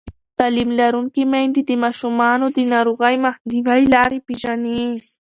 تعلیم لرونکې میندې د ماشومانو د ناروغۍ مخنیوي لارې پېژني.